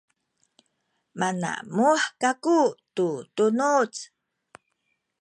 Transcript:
manamuh kaku tu tunuz